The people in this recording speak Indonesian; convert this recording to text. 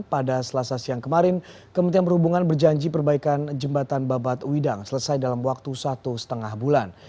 pada selasa siang kemarin kementerian perhubungan berjanji perbaikan jembatan babat widang selesai dalam waktu satu lima bulan